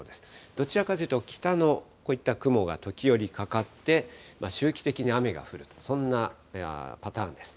どちらかというと、北のこういった雲が時折かかって、周期的に雨が降る、そんなパターンです。